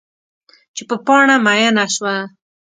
چې په پاڼه میینه شوه